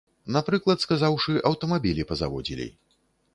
Напрыклад сказаўшы, аўтамабілі пазаводзілі.